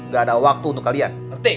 gak ada waktu untuk kalian